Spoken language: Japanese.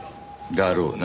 だろうな。